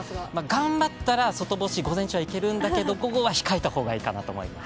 頑張ったら外干し、午前中はいけるんだけど午後は控えた方がいいと思います。